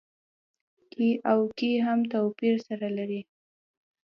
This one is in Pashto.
کې او کي هم توپير سره لري.